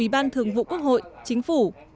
ban thường vụ quốc hội chính phủ